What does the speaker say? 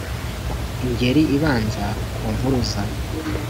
ingeri ibanza ku mpuruza